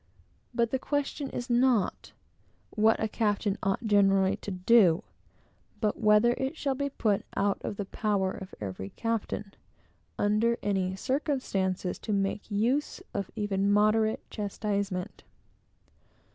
But the question is not, what a captain ought generally to do, but whether it shall be put out of the power of every captain, under any circumstances, to make use of, even moderate, chastisement.